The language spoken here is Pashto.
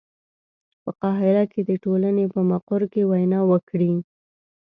په قاهره کې د ټولنې په مقر کې وینا وکړي.